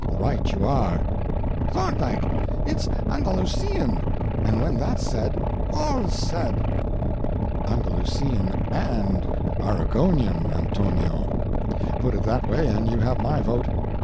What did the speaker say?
"Right you are!" "Thorndike, it's Andalusian! and when that's said, all's said." "Andalusian and Oregonian, Antonio! Put it that way, and you have my vote.